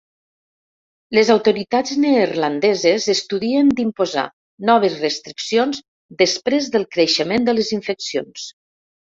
Les autoritats neerlandeses estudien d’imposar noves restriccions després del creixement de les infeccions.